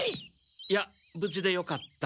いや無事でよかった。